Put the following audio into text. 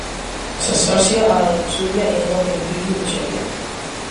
S'associa a la luxúria i a tot el que impliqui bruixeria.